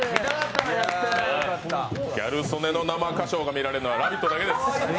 ギャル曽根の生歌唱が見られるのは「ラヴィット！」だけです。